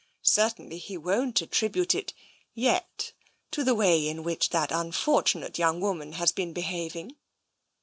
Certainly he won't attribute it — yet — to the way in which that unfortunate young woman has been behaving."